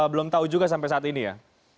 belum tahu juga sampai saat ini ya